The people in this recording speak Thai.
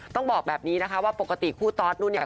ต้องบอกแบบนี้นะคะว่าปกติคู่ตอสนู่นเนี่ย